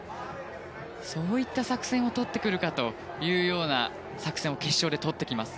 そういった作戦をとってくるかというような作戦を決勝でとってきます。